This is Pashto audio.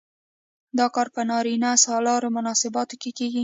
دا کار په نارینه سالارو مناسباتو کې کیږي.